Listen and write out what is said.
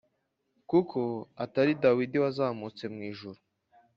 Kuko atari Dawidi wazamutse mu ijuru